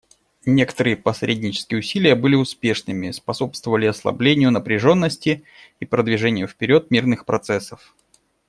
Некоторые посреднические усилия были успешными, способствовали ослаблению напряженности и продвижению вперед мирных процессов.